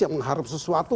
yang mengharapkan sesuatu